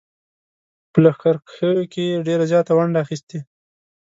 په لښکرکښیو کې یې ډېره زیاته ونډه اخیستې.